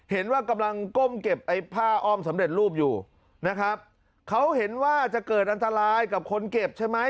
เห็นว่ากำลังก้มเก็บไอ้ผ้าอ้อมสำเร็จรูปอยู่นะครับเขาเห็นว่าจะเกิดอันตรายกับคนเก็บใช่ไหม